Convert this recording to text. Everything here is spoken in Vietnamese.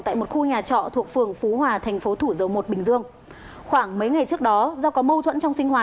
tại một khu nhà trọ thuộc phường phú hòa thành phố thủ dầu một bình dương